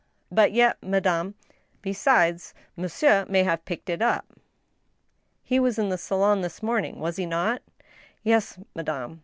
*• But yet, madame—" " Besides, monsieur may have picked it up. He was in the salon this morning, was he not ?"" Yes, madame."